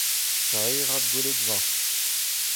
Kaerat gweledva !